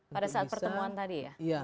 pada saat pertemuan tadi ya